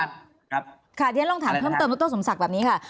เนื้อจะลองถามเพิ่งเติมนักต้นสมศักดิ์แบบนี้ค่ะ